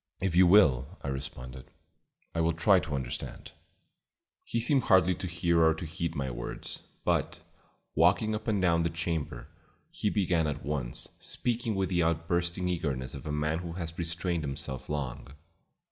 "If you will," I responded, "I will try to understand." He seemed hardly to hear or to heed my words, but, walking up and down the chamber, he began at once, speaking with the outbursting eagerness of a man who has restrained himself long.